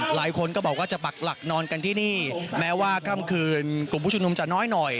หลายคนก็บอกว่าจะปักหลักนอนกันที่นี่แม้ว่าค่ำคืนกลุ่มผู้ชุมนุมจะน้อยหน่อย